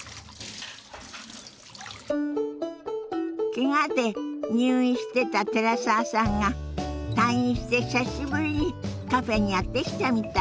けがで入院してた寺澤さんが退院して久しぶりにカフェにやって来たみたい。